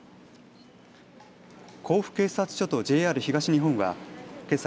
甲府警察署とＪＲ東日本はけさ